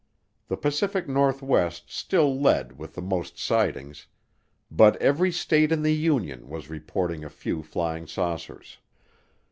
The Pacific Northwest still led with the most sightings, but every state in the Union was reporting a few flying saucers.